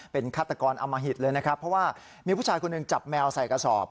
เป็นฆาตกรอมหิตเลยนะครับเพราะว่ามีผู้ชายคนหนึ่งจับแมวใส่กระสอบ